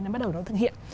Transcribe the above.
bắt đầu nó thực hiện